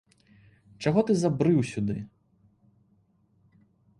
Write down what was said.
Чаго ты забрыў сюды?